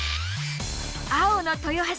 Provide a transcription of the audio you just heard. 青の豊橋